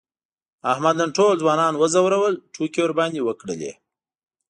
احمد نن ټول ځوانان و ځورول، ټوکې یې ورباندې وکړلې.